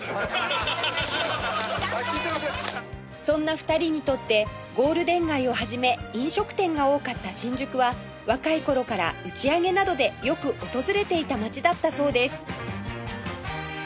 そんな２人にとってゴールデン街を始め飲食店が多かった新宿は若い頃から打ち上げなどでよく訪れていた街だったそうです